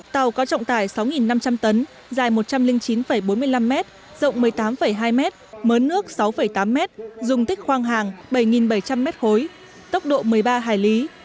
tàu có trọng tải sáu năm trăm linh tấn dài một trăm linh chín bốn mươi năm m rộng một mươi tám hai mét mớ nước sáu tám mét dùng tích khoang hàng bảy bảy trăm linh m ba tốc độ một mươi ba hải lý